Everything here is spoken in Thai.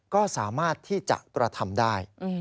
ก็สามารถที่จะกระทำได้